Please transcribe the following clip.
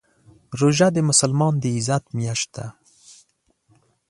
روژه د مسلمان د عزت میاشت ده.